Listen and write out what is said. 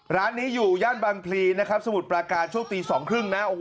ร้านนี้อยู่ย่านบางพลีนะครับสมุทรปราการช่วงตีสองครึ่งนะ